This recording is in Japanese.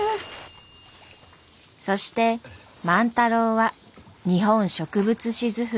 そして万太郎は「日本植物志図譜」